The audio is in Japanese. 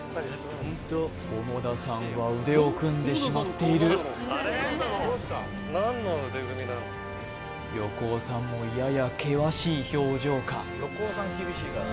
菰田さんは腕を組んでしまっている横尾さんもやや険しい表情か？